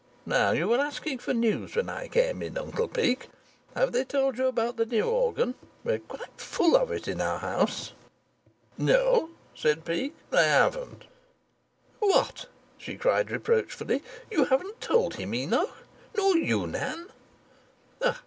Now you were asking for news when I came in, Uncle Peake. Have they told you about the new organ? We're quite full of it at our house." "No," said Peake, "they haven't." "What!" she cried reproachfully. "You haven't told him, Enoch nor you, Nan?"